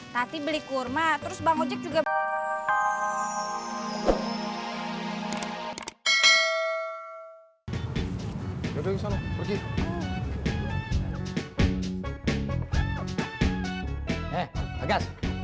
tapi beli kurma terus bangun juga